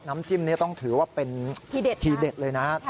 จิ้มนี้ต้องถือว่าเป็นทีเด็ดเลยนะ